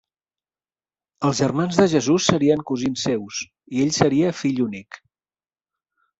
Els germans de Jesús serien cosins seus i ell seria fill únic.